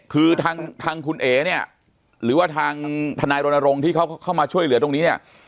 คือทางคุณเอ๋เนี่ยหรือว่าทางทนายรณรงค์ที่เขาเข้ามาช่วยเหลือตรงนี้เนี่ย